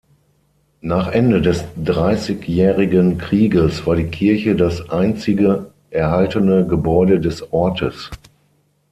Nach Ende des Dreißigjährigen Krieges war die Kirche das einzige erhaltene Gebäude des Ortes.